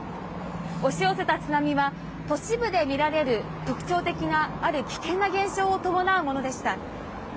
押し寄せた津波は都市部でみられる特徴的なある危険な現象を伴うものでした。